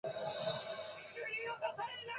化粧水 ｓ